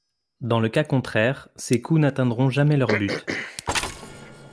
Dans le cas contraire, ses coups n'atteindront jamais leur but.